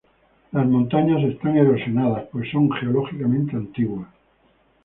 Las montañas están erosionadas, pues son geológicamente antiguas.